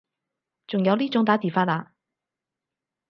仲有呢種打字法啊